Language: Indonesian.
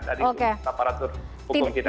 dari aparatur hukum kita